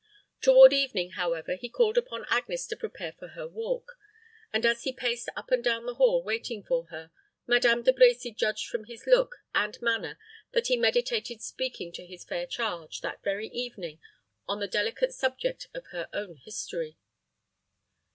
Toward evening, however, he called upon Agnes to prepare for her walk; and as he paced up and down the hall waiting for her, Madame De Brecy judged from his look and manner that he meditated speaking to his fair charge, that very evening, on the delicate subject of her own history.